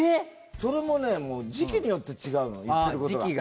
それもねもう時期によって違うの言ってることが。